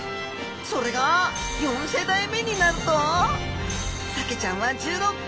それが４世代目になるとサケちゃんは１６個。